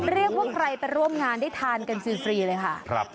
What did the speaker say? เรียกว่าใครไปร่วมงานได้ทานกันฟรีเลยค่ะ